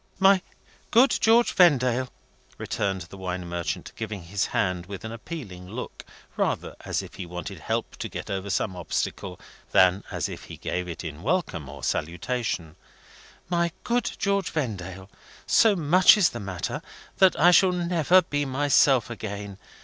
"My good George Vendale," returned the wine merchant, giving his hand with an appealing look, rather as if he wanted help to get over some obstacle, than as if he gave it in welcome or salutation: "my good George Vendale, so much is the matter, that I shall never be myself again.